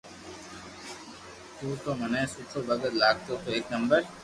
تو تي مني سٺو ڀگت لاگتو تو ايڪ نمبر